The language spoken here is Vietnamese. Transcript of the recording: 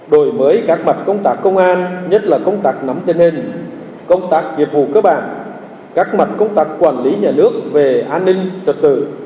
đổi mới các mặt công tác công an nhất là công tác nắm tình hình công tác nghiệp vụ cơ bản các mặt công tác quản lý nhà nước về an ninh trật tự